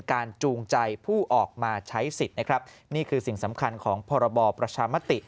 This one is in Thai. จูงใจผู้ออกมาใช้สิทธิ์นะครับนี่คือสิ่งสำคัญของพรบประชามติ